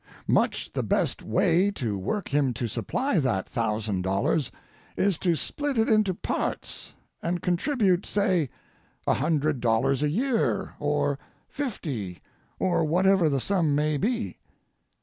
Much the best way to work him to supply that thousand dollars is to split it into parts and contribute, say a hundred dollars a year, or fifty, or whatever the sum maybe.